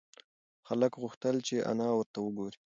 هلک غوښتل چې انا ورته وگوري.